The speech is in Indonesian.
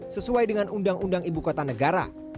sesuai dengan undang undang ibu kota negara